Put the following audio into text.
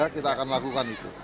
kita akan lakukan itu